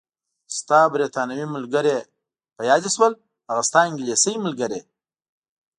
ستا بریتانوي ملګرې، په یاد دې شول؟ هغه ستا انګلیسۍ ملګرې.